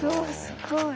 すごい。